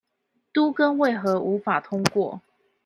都更為何無法通過